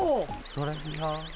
トレビアン。